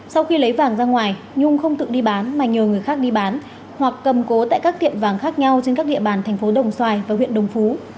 sau khi lấy vàng ra ngoài nhung không tự đi bán mà nhờ người khác đi bán hoặc cầm cố tại các tiệm vàng khác nhau trên các địa bàn thành phố đồng xoài và huyện đồng phú